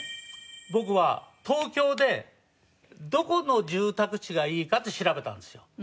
僕は東京でどこの住宅地がいいかって調べたんですよ。